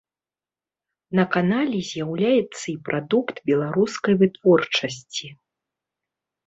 На канале з'яўляецца і прадукт беларускай вытворчасці.